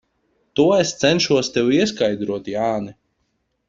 To es cenšos tev ieskaidrot, Jāni.